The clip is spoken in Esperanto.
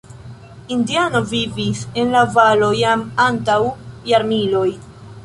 Indianoj vivis en la valo jam antaŭ jarmiloj.